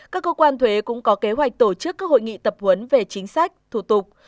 các cơ quan thuế cũng có kế hoạch tổ chức các hội nghị tập huấn về chính sách thủ tục